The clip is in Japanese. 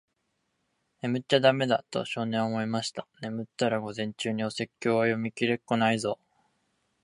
「眠っちゃだめだ。」と、少年は思いました。「眠ったら、午前中にお説教は読みきれっこないぞ。」